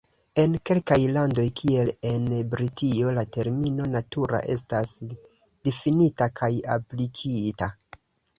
En kelkaj landoj kiel en Britio la termino "natura" estas difinita kaj aplikita.